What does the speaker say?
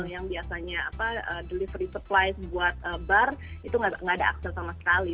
yang biasanya delivery supply buat bar itu nggak ada akses sama sekali